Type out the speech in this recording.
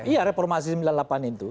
iya reformasi sembilan puluh delapan itu